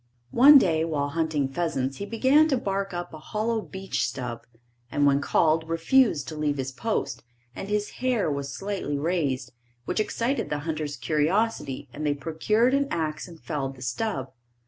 One day while hunting pheasants he began to bark up a hollow beech stub, and when called, refused to leave his post, and his hair was slightly raised, which excited the hunter's curiosity and they procured an axe and felled the stub.